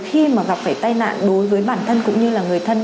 khi mà gặp phải tai nạn đối với bản thân cũng như là người thân